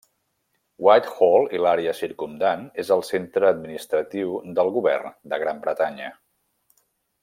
Whitehall i l'àrea circumdant és el centre administratiu del govern de Gran Bretanya.